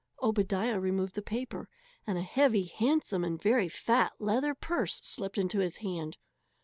Obadiah removed the paper, and a heavy, handsome and very fat leather purse slipped into his hand.